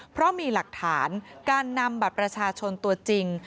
เพราะมีหลักฐานการนำบัตรประชาชนตัวจริง